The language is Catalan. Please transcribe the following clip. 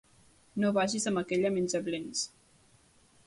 No vagis amb aquella menja-blens!